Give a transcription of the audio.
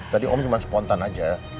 tadi om cuma spontan aja